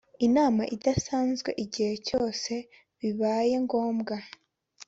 Inama idasanzwe igihe cyose bibaye ngombwa.